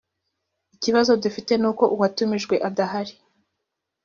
ikibazo dufite nuko uwatumijwe adahari